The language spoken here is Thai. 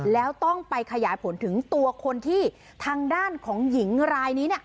แล้วต้องไปขยายผลถึงตัวคนที่ทางด้านของหญิงรายนี้